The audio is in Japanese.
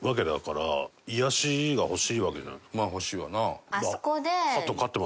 まあ欲しいわな。